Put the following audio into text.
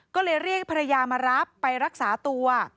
ก็เลยเรียกภรรยามารับไปรักษาตัว